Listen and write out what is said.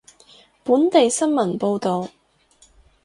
本地新聞報道